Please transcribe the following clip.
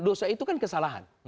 dosa itu kan kesalahan